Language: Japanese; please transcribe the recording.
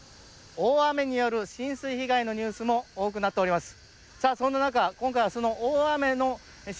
大雨による浸水被害のニュースも多くなっております。